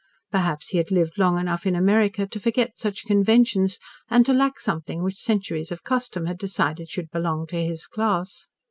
Perhaps he had lived long enough in America to forget such conventions and to lack something which centuries of custom had decided should belong to his class.